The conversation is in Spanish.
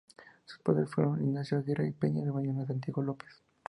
Sus padres fueron Ignacio Aguirre Peña y Mariana Santiago López.